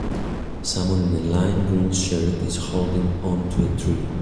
Someone in a lime green shirt is holding on to a tree.